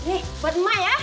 ini buat emak ya